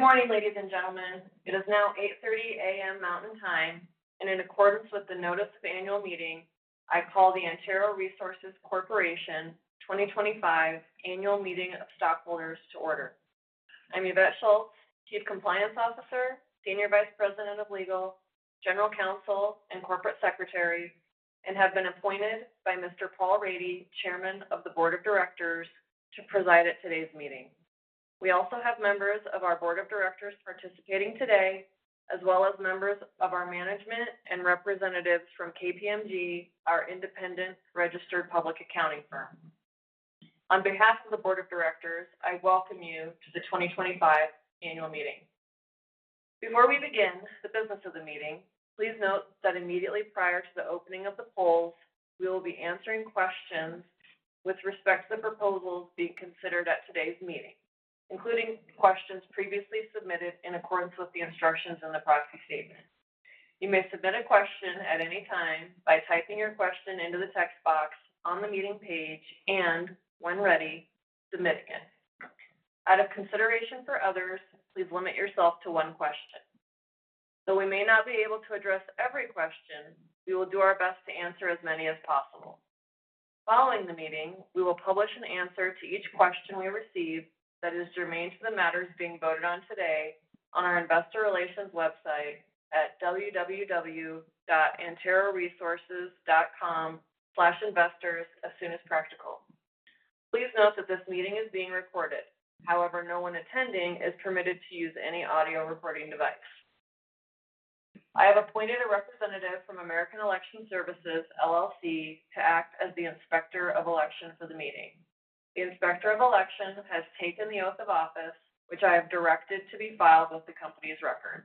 Good morning, ladies and gentlemen. It is now 8:30 A.M. Mountain Time, and in accordance with the notice of annual meeting, I call the Antero Resources Corporation 2025 Annual Meeting of Stockholders to order. I'm Yvette Schultz, Chief Compliance Officer, Senior Vice President of Legal, General Counsel, and Corporate Secretary, and have been appointed by Mr. Paul Rady, Chairman of the Board of Directors, to preside at today's meeting. We also have members of our Board of Directors participating today, as well as members of our management and representatives from KPMG, our independent registered public accounting firm. On behalf of the Board of Directors, I welcome you to the 2025 Annual Meeting. Before we begin the business of the meeting, please note that immediately prior to the opening of the polls, we will be answering questions with respect to the proposals being considered at today's meeting, including questions previously submitted in accordance with the instructions in the proxy statement. You may submit a question at any time by typing your question into the text box on the meeting page and, when ready, submit again. Out of consideration for others, please limit yourself to one question. Though we may not be able to address every question, we will do our best to answer as many as possible. Following the meeting, we will publish an answer to each question we receive that is germane to the matters being voted on today on our Investor Relations website at www.anteroresources.com/investors as soon as practical. Please note that this meeting is being recorded; however, no one attending is permitted to use any audio recording device. I have appointed a representative from American Election Services, LLC, to act as the Inspector of Election for the meeting. The Inspector of Election has taken the oath of office, which I have directed to be filed with the company's records.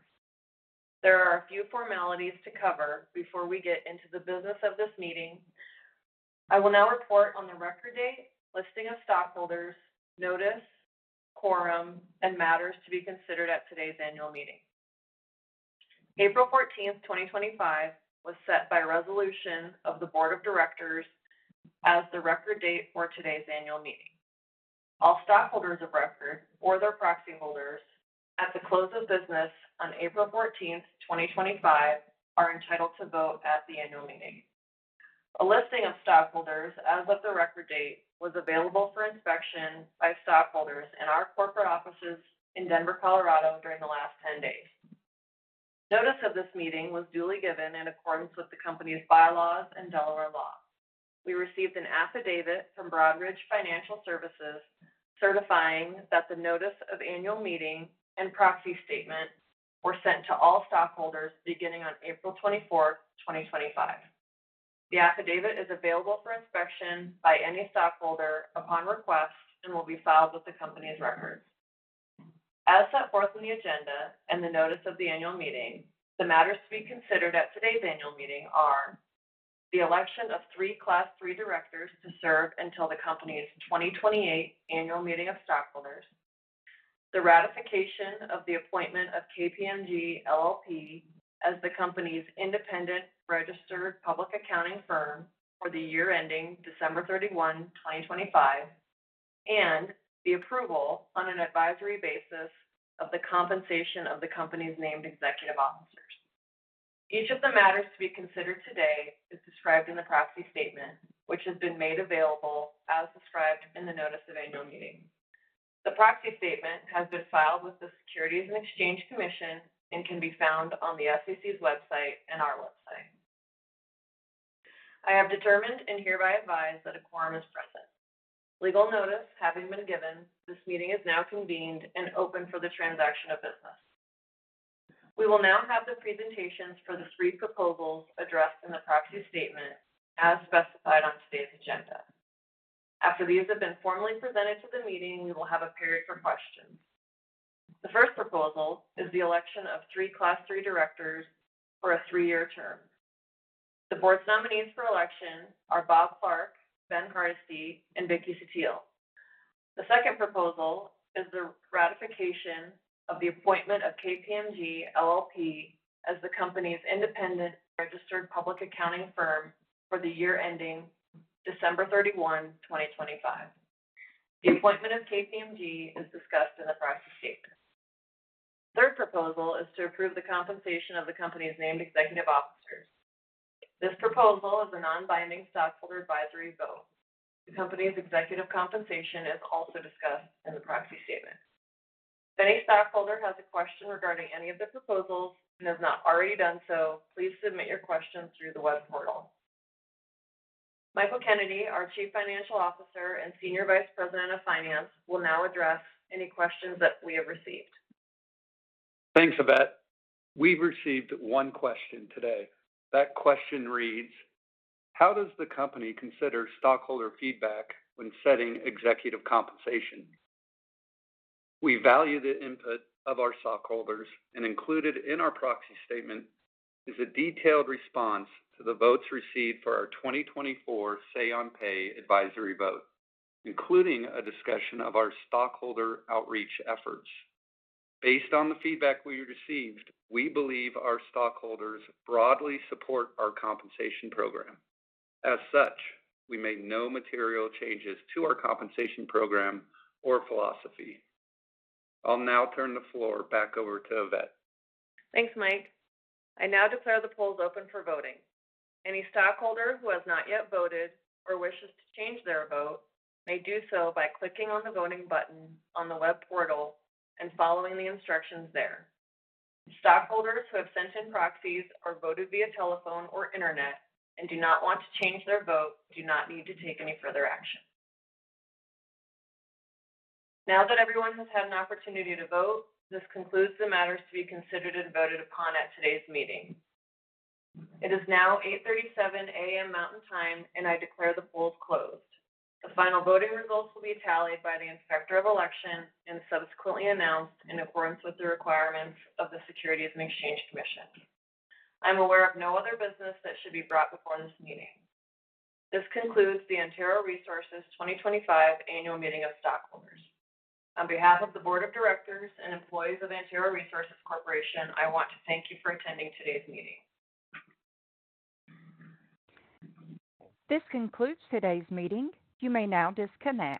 There are a few formalities to cover before we get into the business of this meeting. I will now report on the record date, listing of stockholders, notice, quorum, and matters to be considered at today's annual meeting. April 14, 2025, was set by resolution of the Board of Directors as the record date for today's annual meeting. All stockholders of record or their proxy holders at the close of business on April 14, 2025, are entitled to vote at the annual meeting. A listing of stockholders as of the record date was available for inspection by stockholders in our corporate offices in Denver, Colorado, during the last 10 days. Notice of this meeting was duly given in accordance with the company's bylaws and Delaware law. We received an affidavit from Broadridge Financial Services certifying that the notice of annual meeting and proxy statement were sent to all stockholders beginning on April 24, 2025. The affidavit is available for inspection by any stockholder upon request and will be filed with the company's records. As set forth in the agenda and the notice of the annual meeting, the matters to be considered at today's annual meeting are the election of three Class III Directors to serve until the company's 2028 Annual Meeting of Stockholders, the ratification of the appointment of KPMG LLP as the company's independent registered public accounting firm for the year ending December 31, 2025, and the approval on an advisory basis of the compensation of the company's named executive officers. Each of the matters to be considered today is described in the proxy statement, which has been made available as described in the notice of annual meeting. The proxy statement has been filed with the Securities and Exchange Commission and can be found on the SEC's website and our website. I have determined and hereby advised that a quorum is present. Legal notice having been given, this meeting is now convened and open for the transaction of business. We will now have the presentations for the three proposals addressed in the proxy statement as specified on today's agenda. After these have been formally presented to the meeting, we will have a period for questions. The first proposal is the election of three Class III Directors for a three-year term. The Board's nominees for election are Bob Clark, Ben Hardesty, and Vicki Sutil. The second proposal is the ratification of the appointment of KPMG LLP, as the company's independent registered public accounting firm for the year ending December 31, 2025. The appointment of KPMG is discussed in the proxy statement. The third proposal is to approve the compensation of the company's named executive officers. This proposal is a non-binding stockholder advisory vote. The company's executive compensation is also discussed in the proxy statement. If any stockholder has a question regarding any of the proposals and has not already done so, please submit your questions through the web portal. Michael Kennedy, our Chief Financial Officer and Senior Vice President of Finance, will now address any questions that we have received. Thanks, Yvette. We've received one question today. That question reads, "How does the company consider stockholder feedback when setting executive compensation?" We value the input of our stockholders and included in our proxy statement is a detailed response to the votes received for our 2024 say-on-pay advisory vote, including a discussion of our stockholder outreach efforts. Based on the feedback we received, we believe our stockholders broadly support our compensation program. As such, we made no material changes to our compensation program or philosophy. I'll now turn the floor back over to Yvette. Thanks, Michael. I now declare the polls open for voting. Any stockholder who has not yet voted or wishes to change their vote may do so by clicking on the voting button on the web portal and following the instructions there. Stockholders who have sent in proxies or voted via telephone or internet and do not want to change their vote do not need to take any further action. Now that everyone has had an opportunity to vote, this concludes the matters to be considered and voted upon at today's meeting. It is now 8:37 A.M. Mountain Time, and I declare the polls closed. The final voting results will be tallied by the Inspector of Election and subsequently announced in accordance with the requirements of the Securities and Exchange Commission. I'm aware of no other business that should be brought before this meeting. This concludes the Antero Resources 2025 Annual Meeting of Stockholders. On behalf of the Board of Directors and employees of Antero Resources Corporation, I want to thank you for attending today's meeting. This concludes today's meeting. You may now disconnect.